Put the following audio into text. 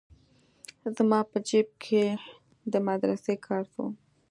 زما په جيب کښې د مدرسې کارت و.